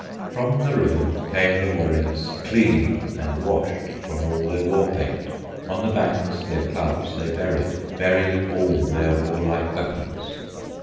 From the river came the warriors, Clean and washed from all their war paint; On the banks their clubs they buried, Buried all their warlike weapons.